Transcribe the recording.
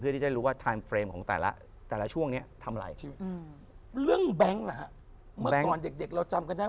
เพื่อที่จะได้รู้ว่าไทม์เฟรมของแต่ละช่วงนี้ทำอะไร